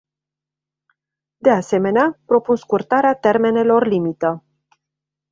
De asemenea, propun scurtarea termenelor limită.